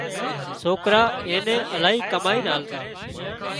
سوڪرا اين الاهي ڪمائينَ آلتا